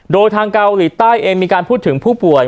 โดยทางเกาหลีใต้เองมีการพูดถึงผู้ป่วย